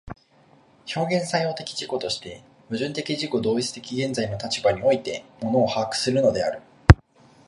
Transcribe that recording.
表現作用的自己として、矛盾的自己同一的現在の立場において物を把握するのである。